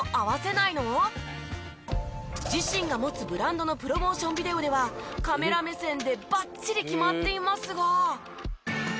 自身が持つブランドのプロモーションビデオではカメラ目線でばっちり決まっていますが。